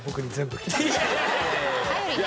いやいやいや。